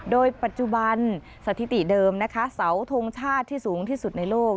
โดยปัจจุบันสถิติเดิมนะคะเสาทงชาติที่สูงที่สุดในโลก